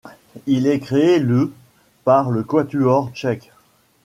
Il est créé le par le Quatuor tchèque.